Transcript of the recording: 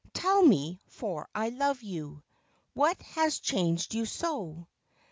Tell me, for I love you, What has changed you so ?